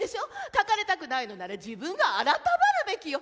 書かれたくないのなら自分が改まるべきよ。